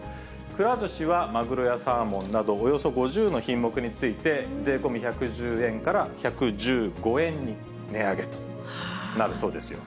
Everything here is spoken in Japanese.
くら寿司はマグロやサーモンなど、およそ５０の品目について、税込み１１０円から１１５円に値上げとなるそうですよ。